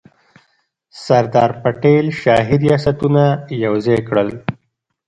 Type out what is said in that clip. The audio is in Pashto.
سردار پټیل شاهي ریاستونه یوځای کړل.